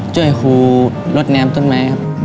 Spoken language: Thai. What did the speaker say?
จุดให้ครูลดแนมต้นไม้ครับ